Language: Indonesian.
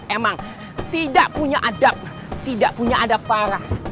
emang tidak punya adab tidak punya adab farah